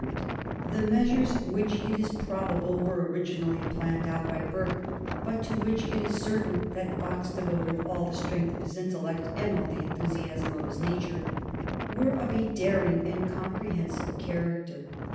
[Sidenote: 1783 Fox and the affairs of India] The measures, which, it is probable, were originally planned out by Burke, but to which it is certain that Fox devoted all the strength of his intellect and all the enthusiasm of his nature, were of a daring and comprehensive character.